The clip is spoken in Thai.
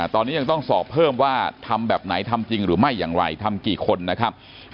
ตอนนี้ยังต้องสอบเพิ่มว่าทำแบบไหนทำจริงหรือไม่อย่างไรทำกี่คนนะครับ